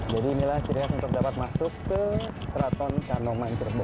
jadi inilah ciri ciri yang terdapat masuk ke keraton kanoman cirebon